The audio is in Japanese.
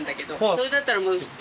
それだったらもう。